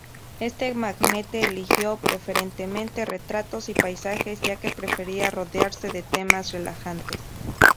Este magnate eligió preferentemente retratos y paisajes ya que prefería rodearse de temas relajantes.